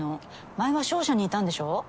前は商社にいたんでしょ？